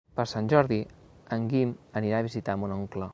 Per Sant Jordi en Guim anirà a visitar mon oncle.